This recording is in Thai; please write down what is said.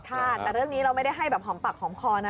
ค่ะแต่เรื่องนี้เราไม่ได้ให้แบบหอมปากหอมคอนะ